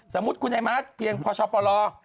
สมมุติคุณไอ้มาร์ทเพียงพอชปล